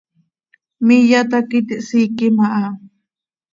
Miyat hac iti hsiiquim aha.